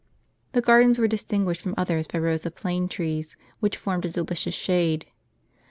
The gardens were distinguished from others by rows of plane trees, which formed a delicious shade.